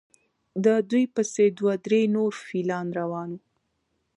د دوی پسې دوه درې نور فیلان روان وو.